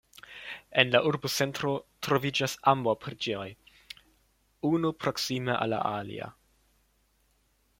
En la urbocentro troviĝas ambaŭ preĝejoj, unu proksime al la alia.